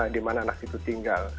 di mana anak itu tinggal